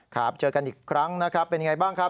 ครับเจอกันอีกครั้งนะครับเป็นยังไงบ้างครับ